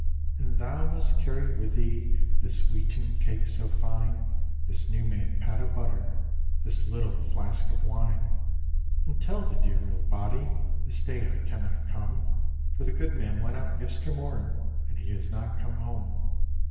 "And thou must carry with thee This wheaten cake so fine, This new made pat of butter, This little flask of wine. "And tell the dear old body, This day I cannot come, For the goodman went out yestermorn, And he is not come home.